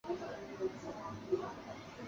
简称为日本三大佛。